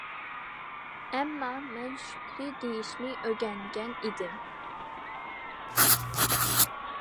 ئەمما مەن شۈكرى دېيىشنى ئۆگەنگەن ئىدىم.